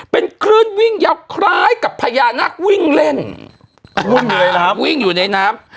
เป็นคลื่นวิ่งยาวคล้ายกับพญานาควิ่งเล่นวิ่งอยู่ในน้ำวิ่งอยู่ในน้ำ